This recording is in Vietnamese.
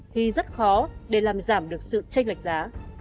thì rất khó để làm giảm được sự tranh lệch giá